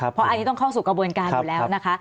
เพราะอันนี้ต้องเข้าสู่กระบวนการอยู่แล้วนะคะ